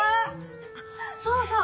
あそうそう。